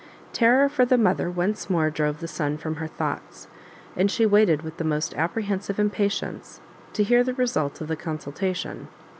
Terror for the mother once more drove the son from her thoughts, and she waited with the most apprehensive impatience to hear the result of the consultation.